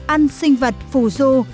ăn sinh vật phù ru